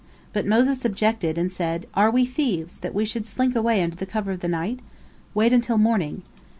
But Moses objected, and said: "Are we thieves, that we should slink away under cover of the night? Wait until morning."